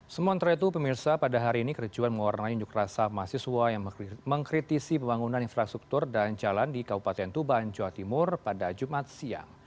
sementara itu pemirsa pada hari ini kericuan mewarnai unjuk rasa mahasiswa yang mengkritisi pembangunan infrastruktur dan jalan di kabupaten tuban jawa timur pada jumat siang